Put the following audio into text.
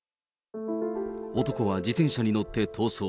男は自転車に乗って逃走。